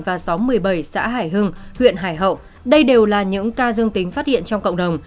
và xóm một mươi bảy xã hải hưng huyện hải hậu đây đều là những ca dương tính phát hiện trong cộng đồng